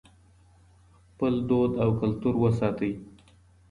خپل دود او کلتور وساتئ.